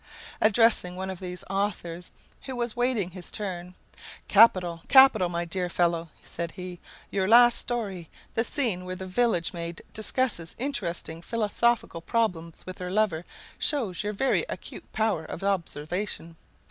Addressing one of these authors who was waiting his turn, "Capital! Capital! my dear fellow," said he, "your last story. The scene where the village maid discusses interesting philosophical problems with her lover shows your very acute power of observation.